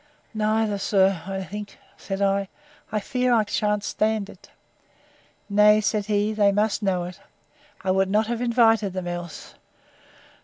—Neither, sir, I think, said I, I fear I shan't stand it.—Nay, said he, they must know it; I would not have invited them else.